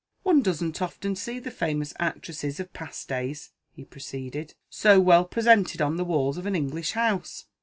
"One doesn't often see the famous actresses of past days," he proceeded, "so well represented on the walls of an English house."